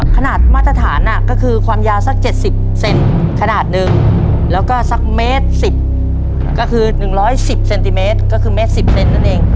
ขนาดมาตรฐานก็คือความยาวสักเจ็ดสิบเซนต์ขนาดหนึ่งแล้วก็สักเมตรสิบก็คือหนึ่งร้อยสิบเซนติเมตรก็คือเมตรสิบเซนต์นั่นเอง